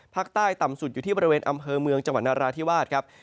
ต่ำสุดอยู่ที่บริเวณอำเภอเมืองจังหวัดนราธิวาสครับ